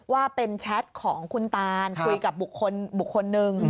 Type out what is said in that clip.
ว่าเป็นแชทของคุณตานคุยกับบุคคลบุคคลหนึ่ง